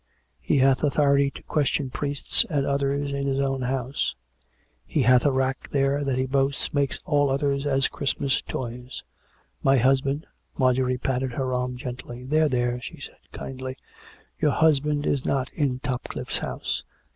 He hath authority to question priests and others in his own house. He hath a rack there that he boasts makes all others as Christmas toys. My husband " Marjorie patted her arm gently. " There ! there !" she said kindly. " Your husband is not in Topcliffe's house.